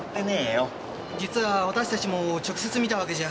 実は私たちも直接見たわけじゃ。